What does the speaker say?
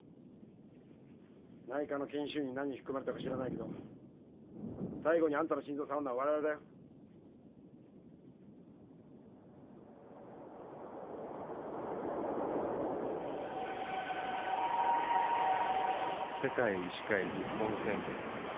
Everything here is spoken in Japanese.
内科の研修医に何を吹き込まれたか知らないけど最後にアンタの心臓をさわるのは我々だよ世界医師会リスボン宣言